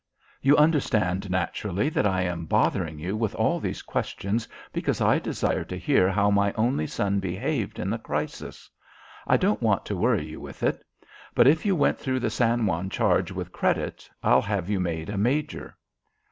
"You understand, naturally, that I am bothering you with all these questions because I desire to hear how my only son behaved in the crisis. I don't want to worry you with it. But if you went through the San Juan charge with credit I'll have you made a Major."